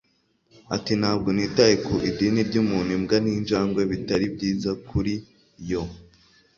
Ati Ntabwo nitaye ku idini ryumuntu imbwa ninjangwe bitari byiza kuri yo